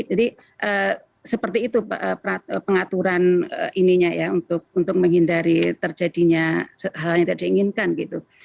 jadi seperti itu pengaturan ininya ya untuk menghindari terjadinya hal yang tidak diinginkan gitu